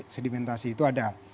sedimentasi itu ada